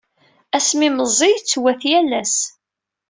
Asmi meẓẓi, yettwat yal ass.